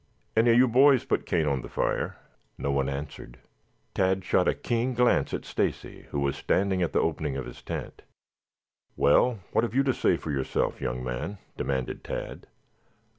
"Any of you boys put cane on the fire?" No one answered. Tad shot a keen glance at Stacy who was standing at the opening of his tent. "Well, what have you to say for yourself, young man?" demanded Tad.